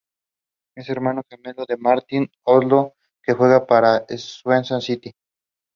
Shusha was the main fire point from where Stepanakert was assaulted.